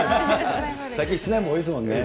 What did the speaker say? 最近室内も多いですもんね。